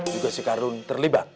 juga si kardun terlibat